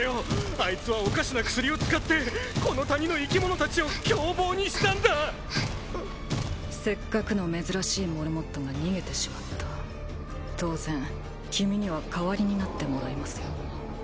あいつはおかしな薬を使ってこの谷の生き物達を凶暴にしたんだせっかくの珍しいモルモットが逃げてしまった当然君には代わりになってもらいますよ